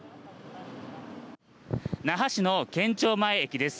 那覇市の県庁前駅です。